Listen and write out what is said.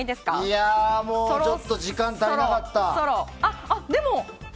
いや、もうちょっと時間が足りなかった。